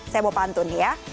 saya mau pantun ya